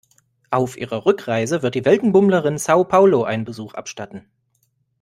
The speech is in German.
Auf ihrer Rückreise wird die Weltenbummlerin Sao Paulo einen Besuch abstatten.